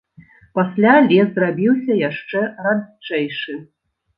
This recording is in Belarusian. Пасля лес зрабіўся яшчэ радчэйшы.